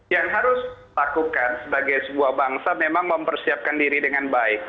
yang harus lakukan sebagai sebuah bangsa memang mempersiapkan diri dengan baik